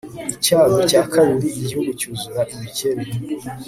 icyago cya kabiri igihugu cyuzura ibikeri